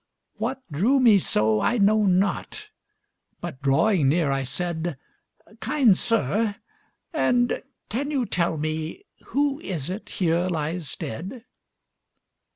What drew me so I know not, But drawing near I said,"Kind sir, and can you tell meWho is it here lies dead?"